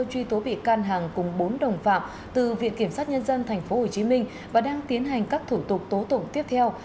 truy tố bị can hằng cùng bốn đồng phạm từ viện kiểm sát nhân dân tp hcm và đang tiến hành các thủ tục tố tụng tiếp theo